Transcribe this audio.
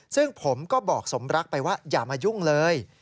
ซึ่งผมก็บอกสมรักไปว่าอย่ามายุ่งเลย